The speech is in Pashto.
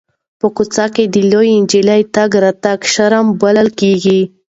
په کوڅه کې د لویې نجلۍ تګ راتګ شرم بلل کېږي.